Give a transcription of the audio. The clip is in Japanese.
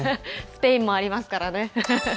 スペインもありますからね。